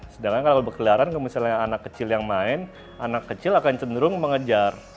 sedangkan kalau berkeliaran misalnya anak kecil yang main anak kecil akan cenderung mengejar